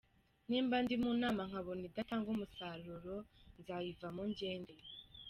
Nimba ndi mu nama nkabona idatanga umusaruro nzayivamo ngende.